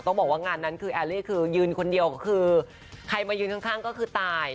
ต้องบอกว่างานนั้นเอลลี่ก็ยืนคนเดียวคือใครมายืนข้างก็ตาย